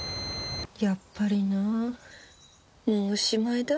やっぱりなもうおしまいだ。